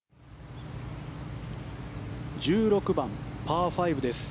１６番、パー５です。